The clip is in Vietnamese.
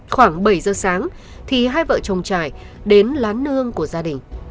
khoảng bảy giờ sáng thì hai vợ chồng trài đến lán nương của gia đình